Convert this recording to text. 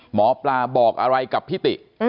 หมอปลาบอกอะไรกับพี่ติ